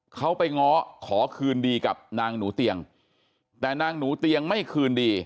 เขาไปง้อขอคืนดีกับนางหนูเตียงแต่นางหนูเตียงไม่คืนดี